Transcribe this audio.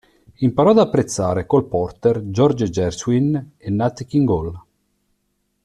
Imparò ad apprezzare Cole Porter, George Gershwin e Nat King Cole.